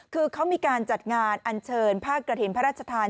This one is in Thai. คือเขามีการจัดงานอัญเชิญภาคกระถิ่นพระราชทาน